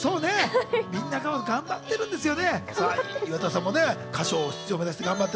みんな頑張ってるんですよね。